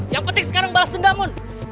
yang penting sekarang balas dendam mon